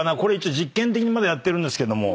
実験的にやってるんですけども。